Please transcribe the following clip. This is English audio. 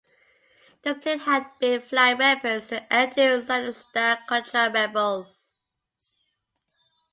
The plane had been flying weapons to the anti-Sandinista Contra rebels.